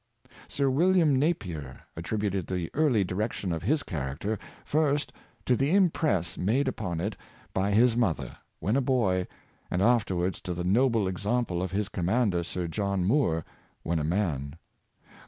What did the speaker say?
Sir William Napier attributed the early direction of his character first to the impress made upon it by his mother, when a boy, and afterwards to the noble exam ple of his commander. Sir John Moore, when a man.